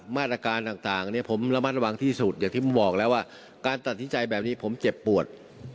มาตรการต่างเนี่ยผมระมัดระวังที่สุดอย่างที่ผมบอกแล้วว่าการตัดสินใจแบบนี้ผมเจ็บปวด